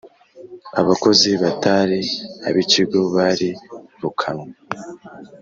abakozi batari ab ikigo bari rukanywe